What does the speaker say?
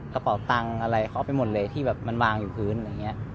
กระเป๋าตังค์อะไรเขาไปหมดเลยที่แบบมันวางอยู่พื้นอย่างนี้